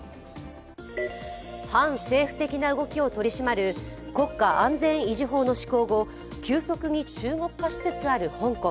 反政府的な動きを取り締まる国家安全維持法の施行後急速に中国化しつつある香港。